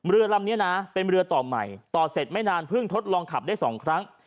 เรือลำนี้นะเป็นเรือต่อใหม่ต่อเสร็จไม่นานเพิ่งทดลองขับได้๒ครั้ง